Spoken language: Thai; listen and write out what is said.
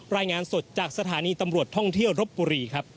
รายงานสดจากสถานีตำรวจท่องเที่ยวรบบุรีครับ